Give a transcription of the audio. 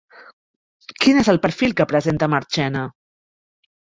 Quin és el perfil que presenta Marchena?